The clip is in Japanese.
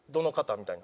みたいな。